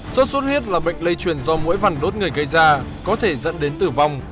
sốt xuất huyết là bệnh lây truyền do mũi vằn đốt người gây ra có thể dẫn đến tử vong